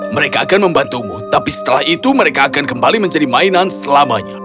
mereka akan membantumu tapi setelah itu mereka akan kembali menjadi mainan selamanya